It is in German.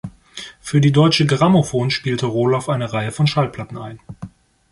Für die "Deutsche Grammophon" spielte Roloff eine Reihe von Schallplatten ein.